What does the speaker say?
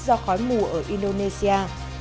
do khói mù ở indonesia